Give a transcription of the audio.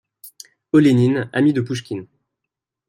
Olénine, ami de Pouchkine.